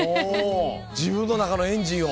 自分の中のエンジンを？